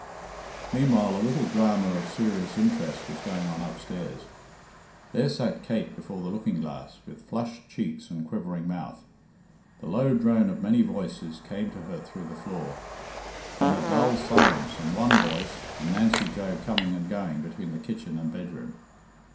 Meanwhile a little drama of serious interest was going on upstairs. There sat Kate before the looking glass, with flushed cheeks and quivering mouth. The low drone of many voices came to her through the floor. Then a dull silence and one voice, and Nancy Joe coming and going between the kitchen and bedroom.